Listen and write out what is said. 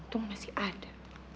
untung masih ada